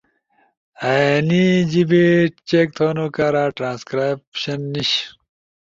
اینی جیِبے چیک تھؤنو کارا ٹرانسکرائبشن نیِش،